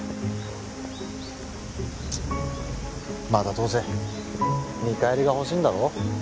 チッまたどうせ見返りが欲しいんだろう？